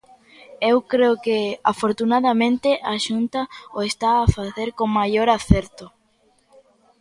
Eu creo que, afortunadamente, a Xunta o está a facer con maior acerto.